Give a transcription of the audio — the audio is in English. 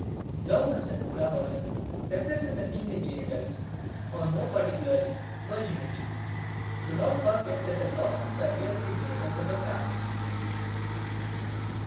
Blossoms and flowers represent the female genitals, or more particularly, virginity. Do not forget that the blossoms are really the genitals of the plants.